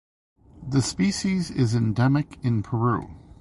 The species is endemic to Peru.